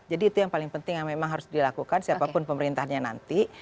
jadi itu yang paling penting yang memang harus dilakukan siapapun pemerintahnya nanti